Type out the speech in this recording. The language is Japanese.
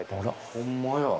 ほんまや。